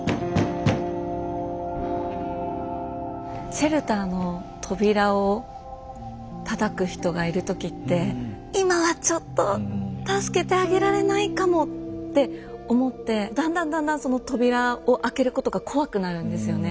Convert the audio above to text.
シェルターの扉をたたく人がいる時って「今はちょっと助けてあげられないかも」って思ってだんだんだんだんその扉を開けることが怖くなるんですよね。